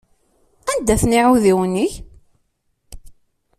Anda-ten iɛudiwen-ik?